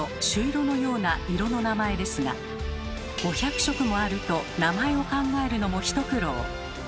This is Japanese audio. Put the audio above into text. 「しゅいろ」のような色の名前ですが５００色もあると名前を考えるのも一苦労。